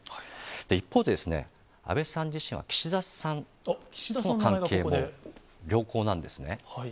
一方で、安倍さん自身は岸田さんとの関係も良好なんですね。